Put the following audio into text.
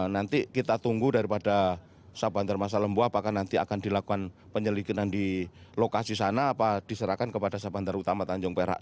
nanti kita tunggu daripada sabantar masa lembu apakah nanti akan dilakukan penyelidikan di lokasi sana atau diserahkan kepada sabantar utama tanjung perak